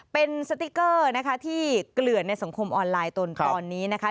เป็นสติ๊กเกอร์นะคะที่เกลื่อนในสังคมออนไลน์ตนตอนนี้นะคะ